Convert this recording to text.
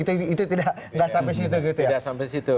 itu tidak sampai situ